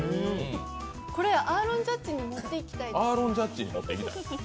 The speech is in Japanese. これアーロン・ジャッジに持っていきたいです。